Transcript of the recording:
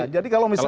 jadi kalau misalnya